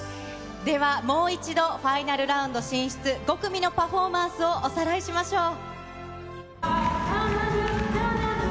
では、もう一度、ファイナルラウンド進出、５組のパフォーマンスをおさらいしましょう。